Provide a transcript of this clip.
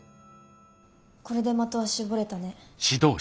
これで的は絞れたね。